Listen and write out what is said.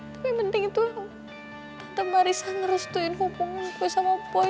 tapi yang penting itu tante marissa ngerusutin hubungan gue sama boy